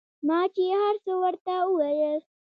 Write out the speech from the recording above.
ما چې هرڅه ورته وويل.